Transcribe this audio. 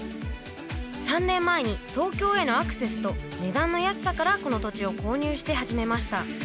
３年前に東京へのアクセスと値段の安さからこの土地を購入して始めました。